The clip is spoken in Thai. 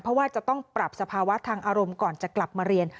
เพราะว่าจะต้องปรับสภาวะทางอารมณ์ก่อนจะกลับมาเรียน